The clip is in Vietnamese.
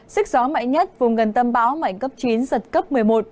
sức gió mạnh nhất vùng gần tâm bão mạnh cấp chín giật cấp một mươi một